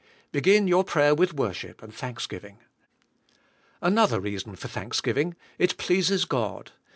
Begin your prayer with worship and thanksgiving. Another reason for thanksgiv ing : It pleases God.